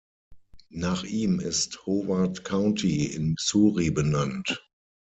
Nach ihm ist Howard County in Missouri benannt.